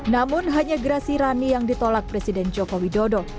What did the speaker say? namun hanya grasi rani yang ditolak presiden joko widodo